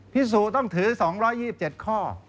พิสูจน์ต้องถือ๒๒๗ข้อ